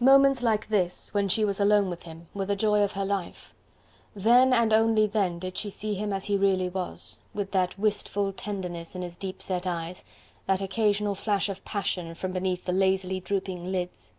Moments like this, when she was alone with him, were the joy of her life. Then and then only did she see him as he really was, with that wistful tenderness in his deep set eyes, that occasional flash of passion from beneath the lazily drooping lids.